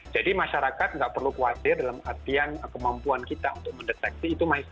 jadi masyarakat nggak perlu khawatir dalam artian kemampuan kita untuk mendeteksi itu